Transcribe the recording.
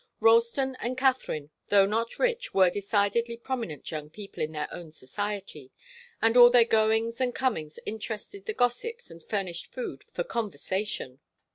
Ralston and Katharine, though not rich, were decidedly prominent young people in their own society, and their goings and comings interested the gossips and furnished food for conversation.